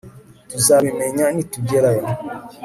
Tuzabimenya nitugerayo